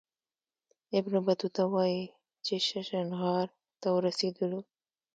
ابن بطوطه وايي چې ششنغار ته ورسېدلو.